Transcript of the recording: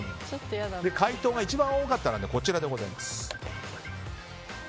回答が一番多かったのはこちらでございます。